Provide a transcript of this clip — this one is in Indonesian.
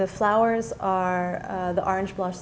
bunga oranye yang diberikan